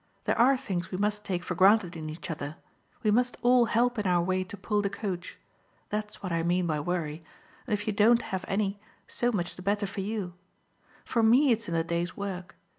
There are things we must take for granted in each other we must all help in our way to pull the coach. That's what I mean by worry, and if you don't have any so much the better for you. For me it's in the day's work.